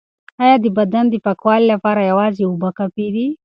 ایا د بدن د پاکوالي لپاره یوازې اوبه کافی دي؟